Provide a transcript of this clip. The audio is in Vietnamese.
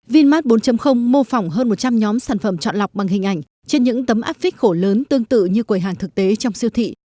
vinmart bốn mô phỏng hơn một trăm linh nhóm sản phẩm chọn lọc bằng hình ảnh trên những tấm áp vích khổ lớn tương tự như quầy hàng thực tế trong siêu thị